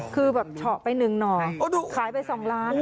คือเฉาะไป๑หน่อขายไป๒ล้าน